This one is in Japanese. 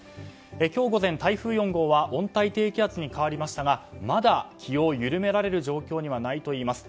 今日午前、台風４号は温帯低気圧に変わりましたがまだ気を緩められる状況にはないといいます。